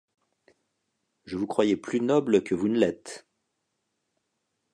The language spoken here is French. Je vous croyais plus noble que vous ne l’êtes.